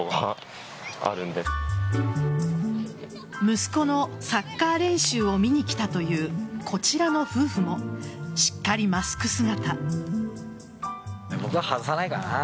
息子のサッカー練習を見に来たというこちらの夫婦もしっかりマスク姿。